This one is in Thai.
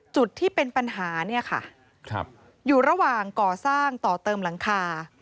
จุดที่เป็นปัญหาเนี่ยค่ะอยู่ระหว่างก่อสร้างต่อเติมหลังคา